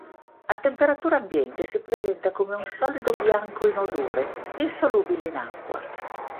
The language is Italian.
A temperatura ambiente si presenta come un solido bianco inodore, insolubile in acqua.